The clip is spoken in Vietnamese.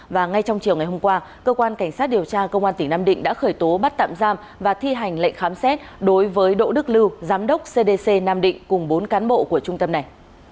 và ngay trong chiều ngày hôm qua cơ quan cảnh sát điều tra công an tỉnh nam định đã khởi tố bắt tạm giam và thi hành lệnh khám xét đối với đỗ đức lưu giám đốc cdc nam định cùng bốn cán bộ của trung tâm này